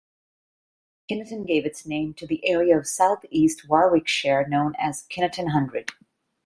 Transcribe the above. Kineton gave its name to the area of south-east Warwickshire known as Kineton Hundred.